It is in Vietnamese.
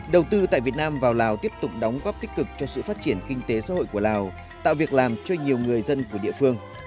đầu tư tại việt nam vào lào tiếp tục đóng góp tích cực cho sự phát triển kinh tế xã hội của lào tạo việc làm cho nhiều người dân của địa phương